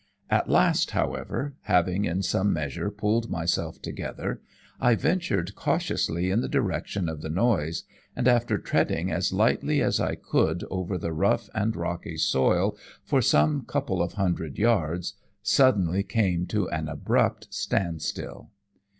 At last, however, having in some measure pulled myself together, I ventured cautiously in the direction of the noise, and after treading as lightly as I could over the rough and rocky soil for some couple of hundred yards, suddenly came to an abrupt standstill.